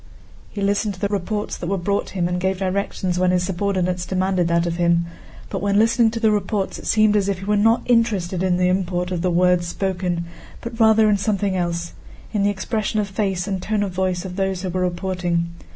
He listened to the reports that were brought him and gave directions when his subordinates demanded that of him; but when listening to the reports it seemed as if he were not interested in the import of the words spoken, but rather in something else—in the expression of face and tone of voice of those who were reporting.